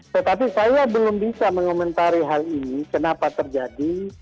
tetapi saya belum bisa mengomentari hal ini kenapa terjadi